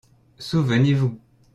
Souvenez-vous.